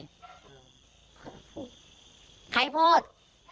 ใครพูด